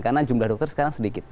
karena jumlah dokter sekarang sedikit